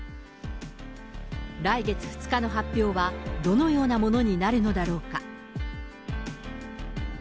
来月２日の発表は、どのようなものになるのだろうか。